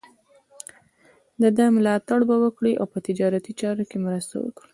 د ده تود ملاتړ به وکړي او په تجارتي چارو کې مرسته وکړي.